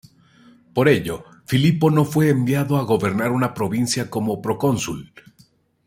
Por ello, Filipo no fue enviado a gobernar una provincia como procónsul.